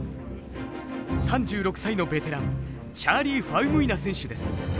３６歳のベテランチャーリー・ファウムイナ選手です。